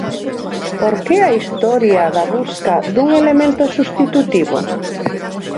Por que a historia da busca dun elemento substitutivo?